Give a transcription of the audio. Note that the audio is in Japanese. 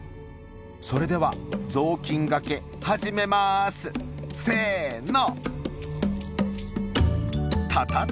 「それではぞうきんがけはじめまーすせーの」。